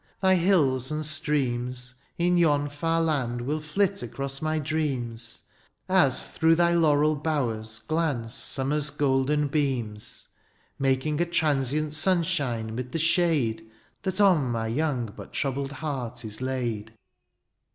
Thy hills and streams, " In yon far land, will flit across my dreams, "As through thy laurel bowers glance summer's golden beams, —" Making a transient sunshine 'mid the shade " That on my young but troubled heart is laid.